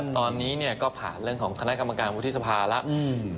ตอนนี้ก็ผ่านเรื่องของคณะกรรมการวุฒิสภาแล้ว